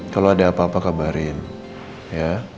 kalau ada apa apa kabarin ya